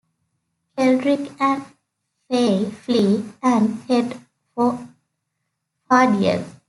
Keldric and Faye flee, and head for Fa'Diel.